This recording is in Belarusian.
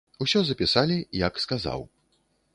Усё запісалі, як сказаў.